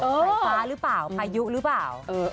สายฟ้าหรือเปล่าพายุหรือเปล่า